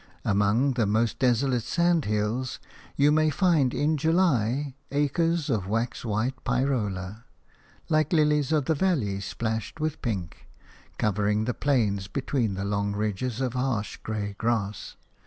Among the most desolate sandhills you may find in July acres of wax white pyrola – like lilies of the valley splashed with pink – covering the plains between the lonely ridges of harsh, grey grass.